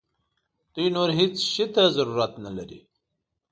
دوی نور هیڅ شي ته ضرورت نه لري.